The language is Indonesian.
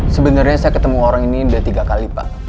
sebenarnya saya ketemu orang ini udah tiga kali pak